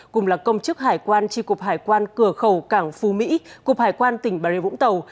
cùng là công chức hải quan tri cục hải quan cửa khẩu cảng phú mỹ cụp hải quan tỉnh bà rịa vũng tàu